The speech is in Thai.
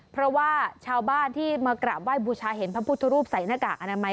เพราะว่าชาวบ้านที่มากราบไหว้บูชาเห็นพระพุทธรูปใส่หน้ากากอนามัย